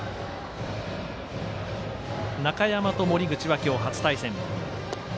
中山と森口は今日、初対戦。